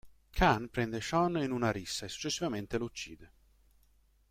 Khan prende Sean in una rissa e successivamente lo uccide.